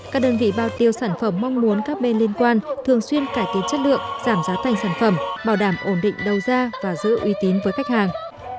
các đơn vị bao tiêu sản phẩm mong muốn các bên liên quan thường xuyên cải tiến chất lượng giảm giá thành sản phẩm bảo đảm ổn định đầu ra và giữ uy tín với khách hàng